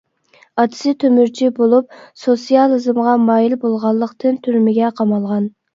ئاتىسى تۆمۈرچى بولۇپ، سوتسىيالىزمغا مايىل بولغانلىقتىن، تۈرمىگە قامالغان.